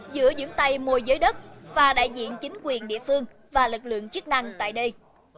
giữa những tay môi giới đất và đại diện chính quyền địa phương và lực lượng chức năng tại đây